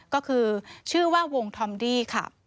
ก็คือชื่อว่าวงธอมดี้ค่ะ